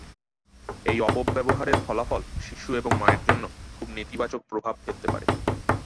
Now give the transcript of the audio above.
এই অপব্যবহারের ফলাফল শিশু এবং মায়ের জন্য খুব নেতিবাচক প্রভাব ফেলতে পারে।